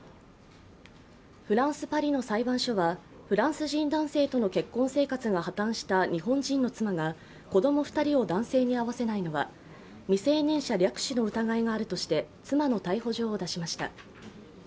フランス・パリの裁判所はフランス人男性との結婚生活が破綻した日本人の妻が子供２人を男性に会わせないのは未成年者略取の疑いがあるとして妻の逮捕状を出しました。